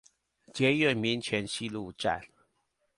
捷運民權西路站